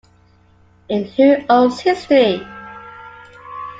In Who Owns History?